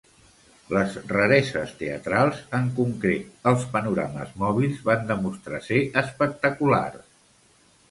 Les rareses teatrals, en concret, els panorames mòbils, van demostrar ser espectaculars.